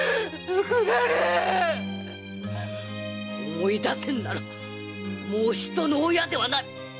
思い出せぬならもう人の親ではない！